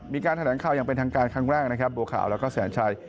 มีการแถลงข่าวอย่างเป็นทางการครั้งแรกบัวข่าวและแสนชาย